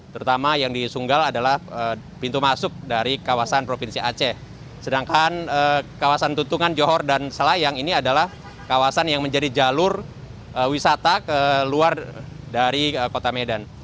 terutama yang di sunggal adalah pintu masuk dari kawasan provinsi aceh sedangkan kawasan tutungan johor dan selayang ini adalah kawasan yang menjadi jalur wisata ke luar dari kota medan